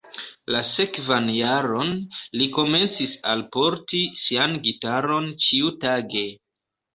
La sekvan jaron, li komencis alporti sian gitaron ĉiutage.